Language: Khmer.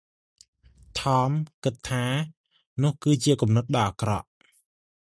ថម គិតថា នោះគឺជាគំនិតដ៏អាក្រក់ ។